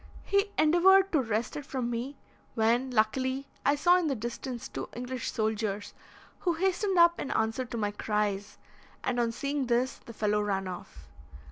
He endeavoured to wrest it from me, when, luckily, I saw in the distance two English soldiers, who hastened up in answer to my cries, and, on seeing this, the fellow ran off.